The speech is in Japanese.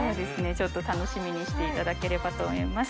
ちょっと楽しみにしていただければと思います。